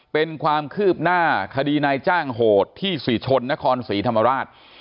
เป็นความคืบหน้าคดีนายจ้างโหดที่ศรีชนนครศรีธรรมราช